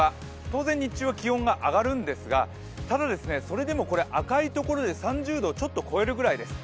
当然、日中は気温が上がるんですがただ、それでも赤いところで３０度をちょっと超えるぐらいです。